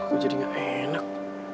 gue jadi gak enak